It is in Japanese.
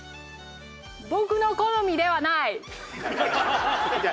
僕の好みではない。